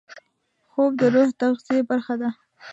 خوب د روح د تغذیې برخه ده